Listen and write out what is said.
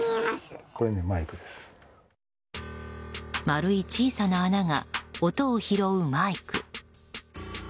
丸い小さな穴が音を拾うマイク。